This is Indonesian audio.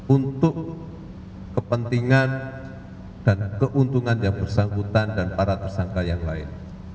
untuk kepentingan dan keuntungan yang bersangkutan dan para tersangka yang lain